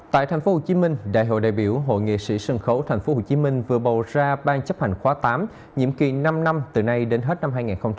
tại tp hcm đại hội đại biểu hội nghệ sĩ sân khấu tp hcm vừa bầu ra ban chấp hành khóa tám nhiệm kỳ năm năm từ nay đến hết năm hai nghìn hai mươi năm